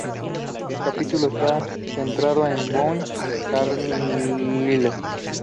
El capítulo está centrado en Boone Carlyle.